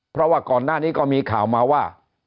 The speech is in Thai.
เพราะว่าก่อนหน้านี้ก็มีข่าวมาว่า